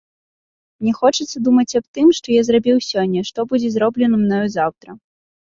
Мне хочацца думаць аб тым, што я зрабіў сёння, што будзе зроблена мною заўтра.